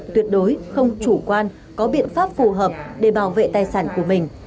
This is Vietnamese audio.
tuyệt đối không chủ quan có biện pháp phù hợp để bảo vệ tài sản của mình